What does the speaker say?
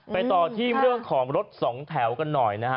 ต่อที่เรื่องของรถสองแถวกันหน่อยนะฮะ